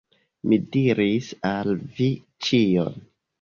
Mi diris al vi ĉion.